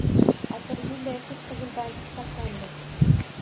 Atirgulday qip-qizil bantik taqqandi.